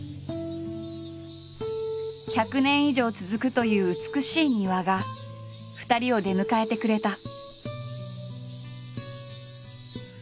１００年以上続くという美しい庭が２人を出迎えてくれた。